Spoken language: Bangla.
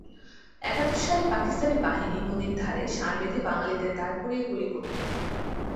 একাত্তর সালে, পাকিস্তানি বাহিনী নদীর ধারে সারবেঁধে বাঙালিদের দাঁড় করিয়ে গুলি করত।